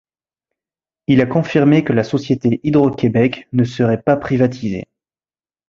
Il a confirmé que la société Hydro-Québec ne serait pas privatisée.